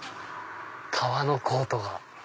革のコートが。